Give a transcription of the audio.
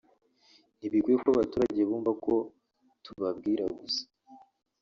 ntibikwiye ko abaturage bumva ko tubabwira gusa